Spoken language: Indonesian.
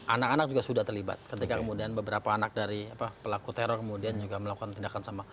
anak anak juga sudah terlibat ketika kemudian beberapa anak dari pelaku teror kemudian juga melakukan tindakan sama